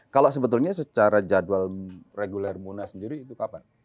kalau sebetulnya secara jadwal reguler munas sendiri itu kapan